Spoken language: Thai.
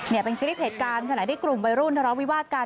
นี่เป็นคลิปเหตุการณ์ขณะที่กลุ่มวัยรุ่นทะเลาวิวาสกัน